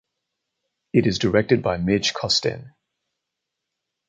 It is directed by Midge Costin.